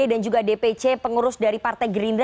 dan juga dpc pengurus dari partai gerindra